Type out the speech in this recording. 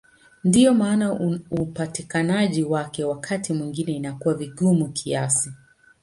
Ndiyo maana upatikanaji wake wakati mwingine inakuwa vigumu kiasi.